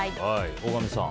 大神さん。